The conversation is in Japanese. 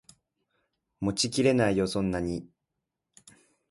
持ちきれないよそんなに